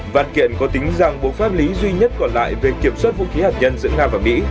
văn kiện có tính rằng bộ pháp lý duy nhất còn lại về kiểm soát vũ khí hạt nhân giữa nga và mỹ